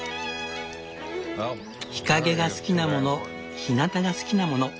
日陰が好きなものひなたが好きなもの。